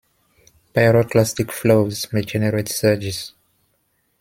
Pyroclastic flows may generate surges.